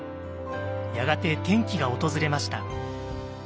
やがて転機が訪れました。